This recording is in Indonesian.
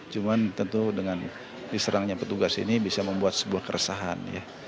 cuma tentu dengan diserangnya petugas ini bisa membuat sebuah keresahan ya